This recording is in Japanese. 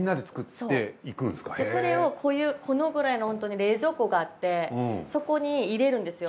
そうそれをこういうこのくらいのホントに冷蔵庫があってそこに入れるんですよ。